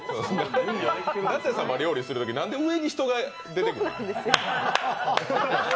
舘様料理するとき、何で上に人が出てくるの？